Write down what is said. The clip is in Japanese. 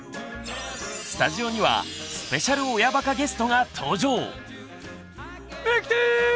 スタジオにはスペシャル「親バカ」ゲストが登場！